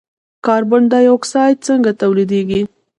کاربن ډای اکساید څنګه تولیدیږي.